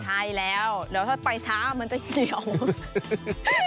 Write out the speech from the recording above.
ใช่แล้วเดี๋ยวถ้าไปช้ามันจะเกี่ยว